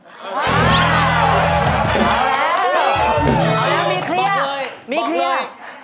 พอแล้วมีเครียร์มีเครียร์